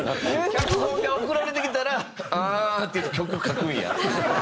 脚本が送られてきたら「ああ」って言って曲書くんや。